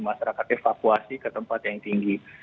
masyarakat evakuasi ke tempat yang tinggi